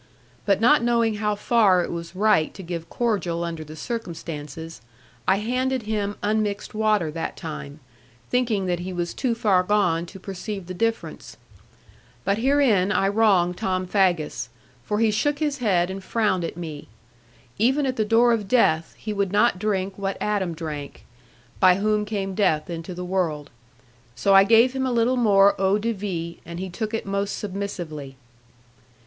But not knowing how far it was right to give cordial under the circumstances, I handed him unmixed water that time; thinking that he was too far gone to perceive the difference. But herein I wrong Tom Faggus; for he shook his head and frowned at me. Even at the door of death, he would not drink what Adam drank, by whom came death into the world. So I gave him a little more eau de vie, and he took it most submissively.